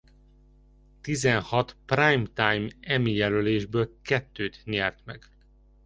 Tizenhat Primetime Emmy-jelölésből kettőt nyert meg.